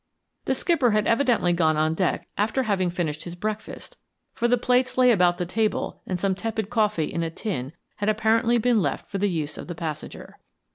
The skipper had evidently gone on deck after having finished his breakfast, for the plates lay about the table and some tepid coffee in a tin had apparently been left for the use of the passenger.